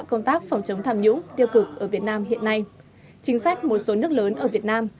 công tác phòng chống tham nhũng tiêu cực ở việt nam hiện nay chính sách một số nước lớn ở việt nam